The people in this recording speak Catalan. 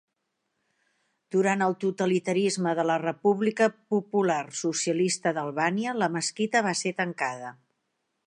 Durant el totalitarisme de la República Popular Socialista d'Albània, la mesquita va ser tancada.